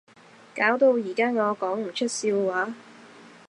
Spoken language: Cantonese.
搞到而家我講唔出笑話